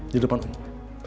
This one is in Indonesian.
di depan umum